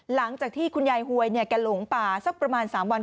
หลังจากที่คุณยายหวยแกหลงป่าสักประมาณ๓วัน